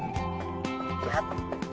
やった！